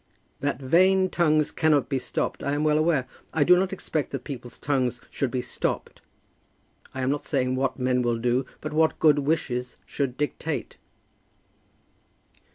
"That vain tongues cannot be stopped, I am well aware. I do not expect that people's tongues should be stopped. I am not saying what men will do, but what good wishes should dictate."